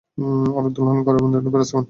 আরেক দল হলেন কারূবীয়ু্ন ফেরেশতাগণ।